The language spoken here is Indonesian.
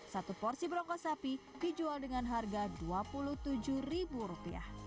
satu porsi brongkos sapi dijual dengan harga rp dua puluh tujuh